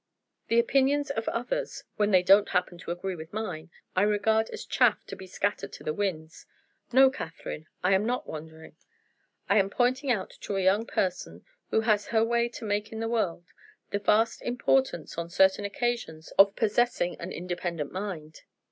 The opinions of others (when they don't happen to agree with mine) I regard as chaff to be scattered to the winds. No, Catherine, I am not wandering. I am pointing out to a young person, who has her way to make in the world, the vast importance, on certain occasions, of possessing an independent mind.